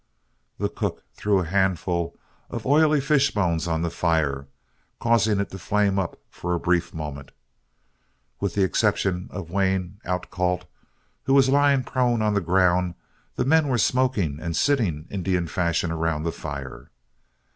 The cook threw a handful of oily fish bones on the fire, causing it to flame up for a brief moment. With the exception of Wayne Outcault, who was lying prone on the ground, the men were smoking and sitting Indian fashion around the fire.